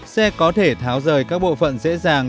xe có thể tháo rời các bộ phận dễ dàng